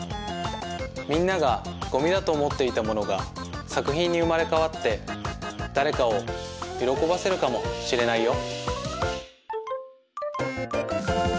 みんながごみだとおもっていたものがさくひんにうまれかわってだれかをよろこばせるかもしれないよ。